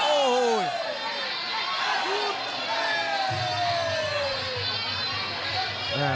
โอ้โห